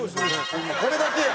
これだけや。